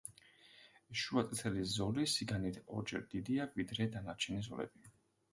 შუა წითელი ზოლი სიგანით ორჯერ დიდია, ვიდრე დანარჩენი ზოლები.